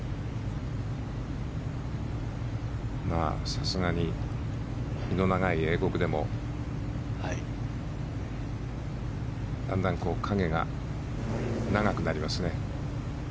さすがに日の長い英国でもだんだん影が長くなりますね。